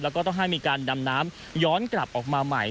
แล้วก็ต้องให้มีการดำน้ำย้อนกลับออกมาใหม่